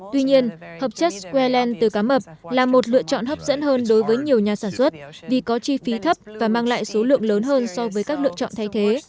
tuy nhiên hợp chất squalene từ cá mập là một lựa chọn hấp dẫn hơn đối với nhiều nhà sản xuất vì có chi phí thấp và mang lại số lượng lớn hơn so với các lựa chọn thay thế